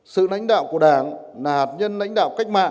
sự lãnh đạo của đảng là hạt nhân lãnh đạo cách mạng